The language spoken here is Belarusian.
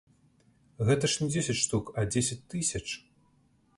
Гэта ж не дзесяць штук, а дзесяць тысяч.